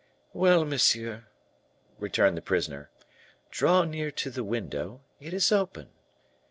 "Well, monsieur," returned the prisoner; "draw near to the window; it is open.